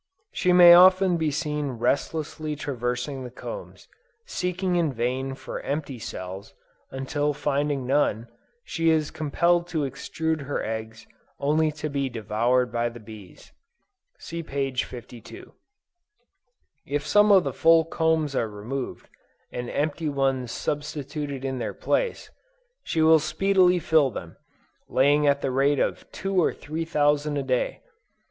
She may often be seen restlessly traversing the combs, seeking in vain for empty cells, until finding none, she is compelled to extrude her eggs only to be devoured by the bees. (See p. 52.) If some of the full combs are removed, and empty ones substituted in their place, she will speedily fill them, laying at the rate of two or three thousand a day!